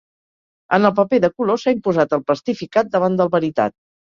En el paper de color s'ha imposat el plastificat davant del baritat.